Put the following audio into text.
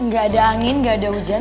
gak ada angin gak ada hujan